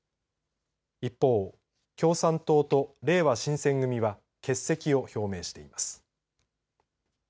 一方、共産党とれいわ新選組は欠席を表明しています。